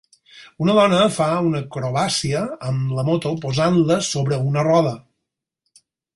Una dona fa una acrobàcia amb la moto posant-la sobre una roda.